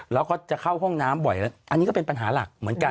แล้วก็จะเข้าห้องน้ำบ่อยแล้วอันนี้ก็เป็นปัญหาหลักเหมือนกัน